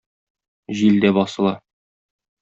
Җил дә басыла.